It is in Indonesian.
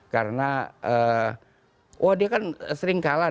karena wah dia kan sering kalah